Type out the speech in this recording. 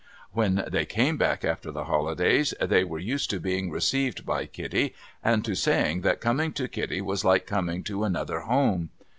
When they came back after the holidays, they were used to being received by Kitty, and to saying that coming to Kitty was like coming to another home.